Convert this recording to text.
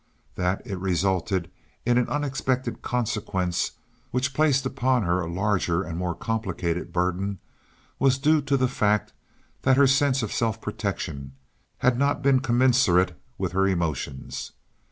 That it resulted in an unexpected consequence, which placed upon her a larger and more complicated burden, was due to the fact that her sense of self protection had not been commensurate with her emotions.